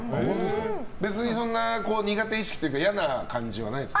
別に苦手意識というか嫌な感じはないんですか？